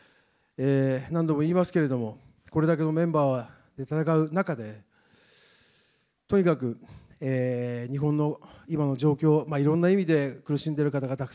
何度も言いますけれども、これだけのメンバーは、戦う中で、とにかく日本の今の状況、いろんな意味で苦しんでいる方がたくさ